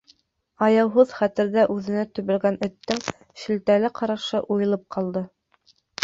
Аяуһыҙ хәтерҙә үҙенә төбәлгән эттең шелтәле ҡарашы уйылып ҡалды.